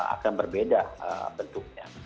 akan berbeda bentuknya